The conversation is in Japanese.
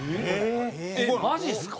えっマジっすか？